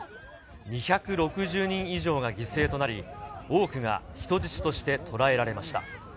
２６０人以上が犠牲となり、多くが人質として捕らえられました。